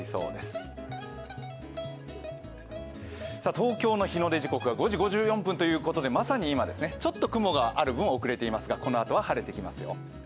東京の日の出時刻は５時５４分ということでまさに今ですね、ちょっと雲がある分遅れていますが、このあとは晴れてきますよ。